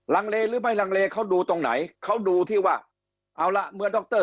ลังเลหรือไม่ลังเลเขาดูตรงไหนเขาดูที่ว่าเอาล่ะเมื่อดร